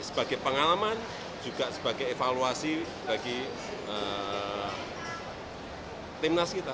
sebagai pengalaman juga sebagai evaluasi bagi timnas kita